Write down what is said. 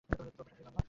কী করবো শাশুড়ি আম্মা?